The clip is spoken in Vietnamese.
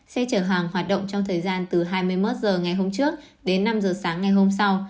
xe chở hàng hoạt động trong thời gian từ hai mươi một h ngày hôm trước đến năm h sáng ngày hôm sau